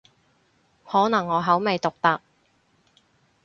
可能我口味獨特